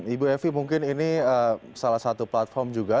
ibu evi mungkin ini salah satu platform juga